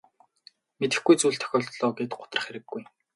Мэдэхгүй зүйл тохиолдлоо гээд гутрах хэрэггүй.